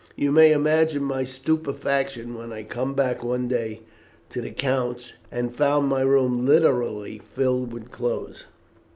You may imagine my stupefaction when I came back one day to the count's and found my room literally filled with clothes."